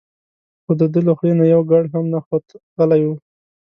خو دده له خولې نه یو ګړ هم نه خوت غلی و.